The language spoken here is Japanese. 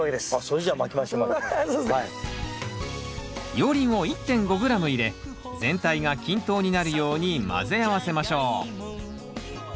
熔リンを１．５ｇ入れ全体が均等になるように混ぜ合わせましょう。